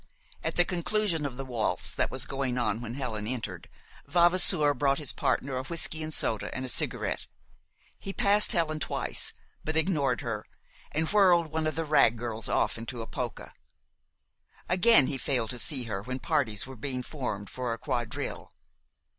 At the conclusion of the waltz that was going on when Helen entered, Vavasour brought his partner a whisky and soda and a cigarette. He passed Helen twice, but ignored her, and whirled one of the Wragg girls off into a polka. Again he failed to see her when parties were being formed for a quadrille.